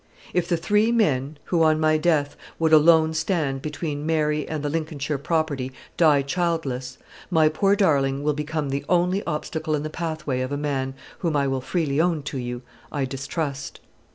If the three men who, on my death, would alone stand between Mary and the Lincolnshire property die childless, my poor darling will become the only obstacle in the pathway of a man whom, I will freely own to you, I distrust.